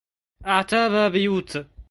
أعتابَ بيوت